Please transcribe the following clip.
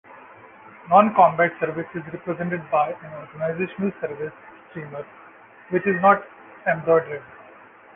Non-combat service is represented by an organizational service streamer, which is not embroidered.